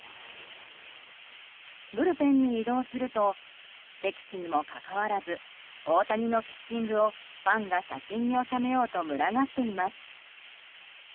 ブルペンに移動すると敵地にもかかわらず大谷のピッチングをファンが写真に収めようと群がっています。